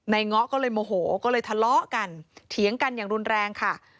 เงาะก็เลยโมโหก็เลยทะเลาะกันเถียงกันอย่างรุนแรงค่ะ